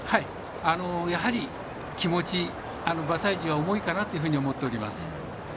やはり気持ち馬体重が重いかなと思っております。